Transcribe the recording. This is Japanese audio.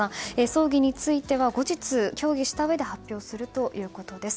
葬儀については後日、協議したうえで発表するということです。